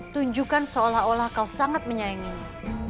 tunjukkan seolah olah kau sangat menyayanginya